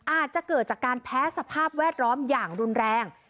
อาจจะเกิดจากการแพ้สภาพแวดล้อมอย่างรุนแรง